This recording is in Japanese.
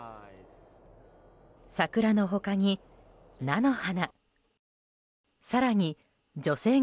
桜の他に、菜の花。